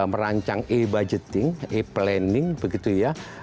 merancang e budgeting e planning begitu ya